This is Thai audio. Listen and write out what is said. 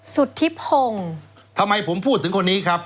สุธิพงศ์ทำไมผมพูดถึงคนนี้ครับ